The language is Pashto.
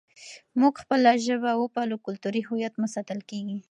موږ خپله ژبه وپالو، کلتوري هویت مو ساتل کېږي.